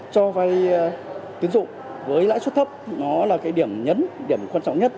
cho vai tiến dụng với lãi suất thấp nó là điểm nhấn điểm quan trọng nhất